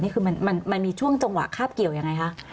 นี่คือมันมีช่วงจังหวะคาบเกี่ยวยังไงคะ